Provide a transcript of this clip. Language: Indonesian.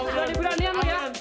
berani beranian lo ya